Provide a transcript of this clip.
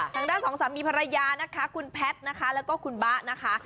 ทางด้านสองสามีภรรยานะคะคุณแพทย์นะคะแล้วก็คุณบ๊ะนะคะ